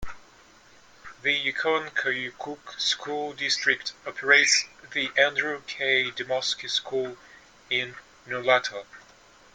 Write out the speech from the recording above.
The Yukon-Koyukuk School District operates the Andrew K. Demoski School in Nulato.